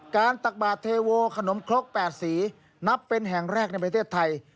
ตักบาทเทโวขนมครก๘สีนับเป็นแห่งแรกในประเทศไทย